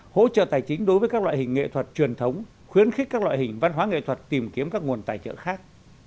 hỗ trợ tài chính đối với các loại hình nghệ thuật truyền thống khuyến khích các loại hình văn hóa nghệ thuật tìm kiếm các nguồn tài trợ khác